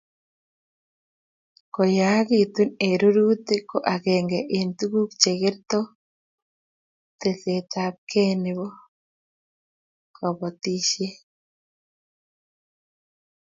koyakituu eng rurutik ko agenge eng tukuk che kerto tesetabkei ne bo kabotishe.